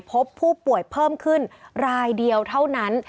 พบผู้ป่วยเพิ่มขึ้นรายเดียวเท่านั้น